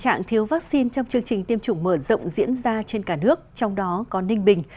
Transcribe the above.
tình trạng thiếu vaccine trong chương trình tiêm chủng mở rộng diễn ra trên cả nước trong đó có ninh bình